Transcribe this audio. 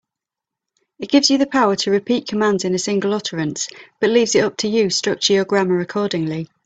It gives you the power to repeat commands in a single utterance, but leaves it up to you structure your grammar accordingly.